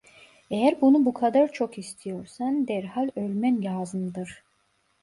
Eğer bunu bu kadar çok istiyorsan derhal ölmen lazımdır.